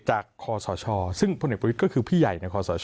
จากคอสอชอซึ่งพลเอกประวิทย์ก็คือพี่ใหญ่ในคอสอชอ